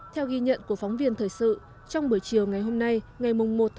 theo ghi nhận của phóng viên thời sự trong buổi chiều ngày hôm nay ngày một một hai nghìn một mươi tám